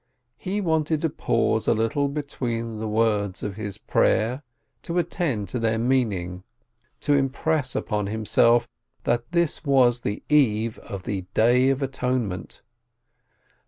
He wanted to pause a little between the words of his prayer, to attend to their meaning, to impress upon himself that this was the Eve of the Day of Atonement!